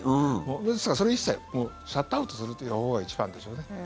ですから、それは一切シャットアウトするという方法が一番でしょうね。